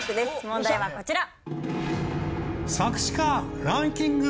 問題はこちら。